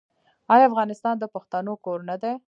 آیا افغانستان د پښتنو کور نه دی؟